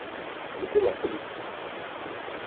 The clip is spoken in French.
C'était la folie.